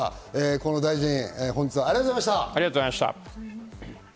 河野大臣、本日はありがありがとうございました。